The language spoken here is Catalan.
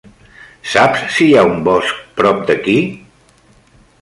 Saps si hi ha un bosc prop d'aquí?